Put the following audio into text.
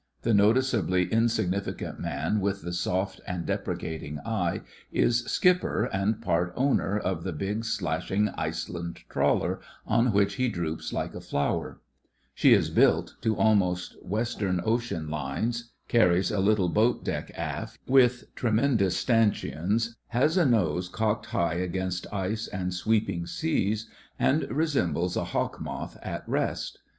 The noticeably insignificant man with the soft and deprecating eye is skipper and part owner of the 14 THE FRINGES OF THE FLEET big slashing Iceland trawler on which he droops like a flower. She is built to almost Western Ocean lines, carries a little boat deck aft with tremendous stanchions, has a nose cocked high against ice and sweeping seas, and resembles a hawk moth at rest.